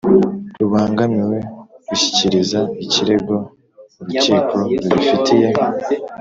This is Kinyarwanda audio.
rubangamiwe rushyikiriza ikirego urukiko rubifitiye